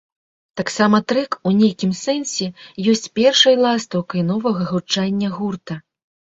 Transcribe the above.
Таксама трэк у нейкім сэнсе ёсць першай ластаўкай новага гучання гурта.